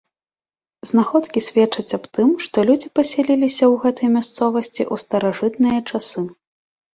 Знаходкі сведчаць аб тым, што людзі пасяліліся ў гэтай мясцовасці ў старажытныя часы.